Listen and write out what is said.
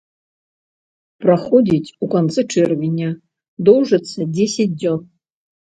Праходзіць у канцы чэрвеня, доўжыцца дзесяць дзён.